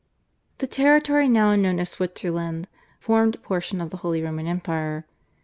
The territory now known as Switzerland formed portion of the Holy Roman Empire.